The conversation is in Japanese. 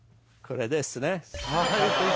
「これです」